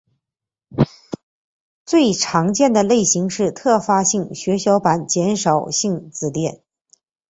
最常见的类型是特发性血小板减少性紫癜。